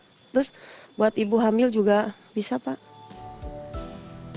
terus buat ibu hamil juga bisa pak